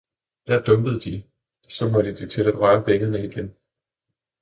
der dumpede de, så måtte de til at røre vingerne igen.